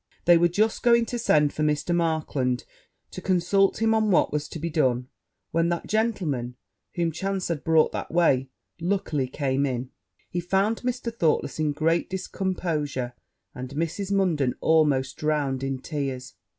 They were just going to send for Mr. Markland, to consult him on what was to be done, when that gentleman, whom chance had brought that way, luckily came in. He found Mr. Thoughtless in great discomposure, and Mrs. Munden almost drowned in tears.